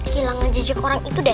kehilangan jejak orang itu deh